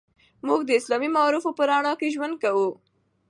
موږ د اسلامي معارفو په رڼا کې ژوند کوو.